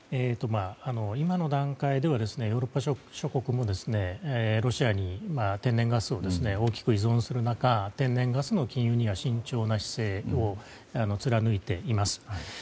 今の段階ではヨーロッパ諸国もロシアに天然ガスを大きく依存する中天然ガスの禁輸には慎重な姿勢を貫いています。